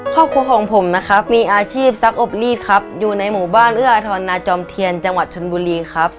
ครอบครัวของผมนะครับมีอาชีพซักอบรีดครับอยู่ในหมู่บ้านเอื้ออทรนาจอมเทียนจังหวัดชนบุรีครับ